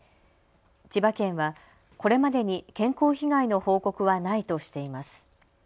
千葉県はこれまでに健康被害の報告はないとしています。